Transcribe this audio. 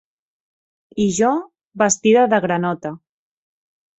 I jo, vestida de granota.